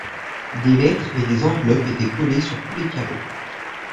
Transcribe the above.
Des lettres et des enveloppes étaient collées sur tous les carreaux.